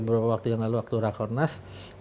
beberapa waktu yang lalu waktu rakornas